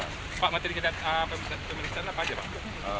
materi pemeriksaan apa saja pak